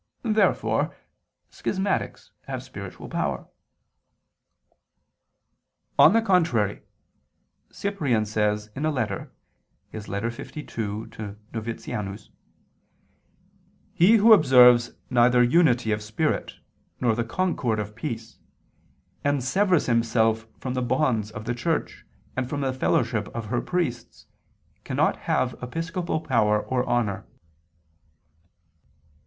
Therefore schismatics have spiritual power. On the contrary, Cyprian says in a letter (Ep. lii, quoted vii, qu. 1, can. Novatianus): "He who observes neither unity of spirit nor the concord of peace, and severs himself from the bonds of the Church, and from the fellowship of her priests, cannot have episcopal power or honor."